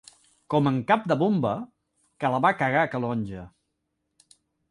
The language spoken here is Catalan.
Com en Cap de Bomba, que la va cagar a Calonge.